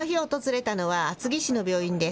この日、訪れたのは厚木市の病院です。